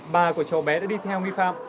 ba của cháu bé đã đi theo nghi phạm